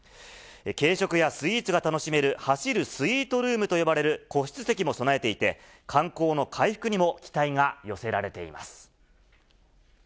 軽食やスイーツが楽しめる、走るスイートルームと呼ばれる個室席も備えていて、観光の回復にも期待が寄せられています。